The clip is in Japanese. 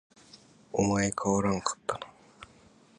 お前変わらんかったな